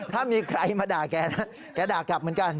ถ้ามีใครมาด่าแกนะแกด่ากลับเหมือนกัน